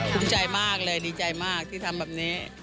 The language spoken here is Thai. ภูมิใจมากเลยดีใจมากที่ทำแบบนี้